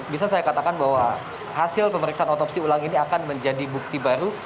bisa saya katakan bahwa hasil pemeriksaan otopsi ulang ini akan menjadi bukti baru